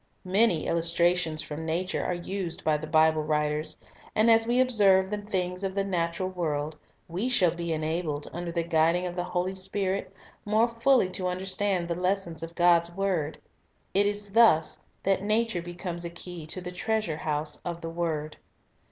Many illustrations from nature are used by the Bible writers, and as we observe the things of the natural world, we shall be enabled, under the guiding of the Holy Spirit, more fully to understand the lessons of God's word. It is thus that nature becomes a key to the treasure house of the word.